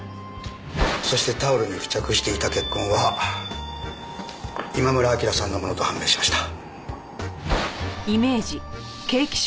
そしてタオルに付着していた血痕は今村明さんのものと判明しました。